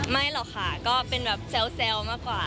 ไม่หรอกค่ะก็เป็นแบบแซวมากกว่า